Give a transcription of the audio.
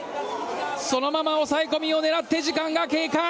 そのまま抑え込みを狙って時間が経過。